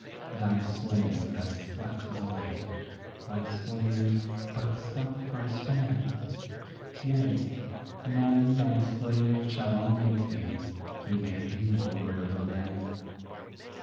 Thy slave that slept is awake; thy slave but slept for a span; Yea, man thy slave shall unmake thee, who made thee lord over man.